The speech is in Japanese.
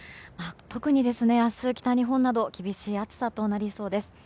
特に明日、北日本など厳しい暑さとなりそうです。